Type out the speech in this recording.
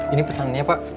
ini pesannya pak